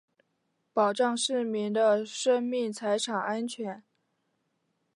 保障市民的生命财产安全